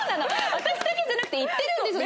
私だけじゃなくて行ってるんですよ